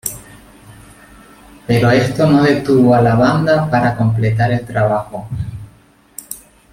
Pero esto no detuvo a la banda para completar el trabajo.